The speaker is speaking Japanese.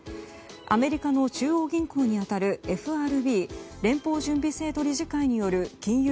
アメリカの中央銀行に当たるＦＲＢ・連邦準備制度理事会による金融